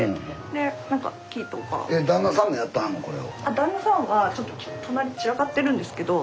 旦那さんはちょっと隣散らかってるんですけど。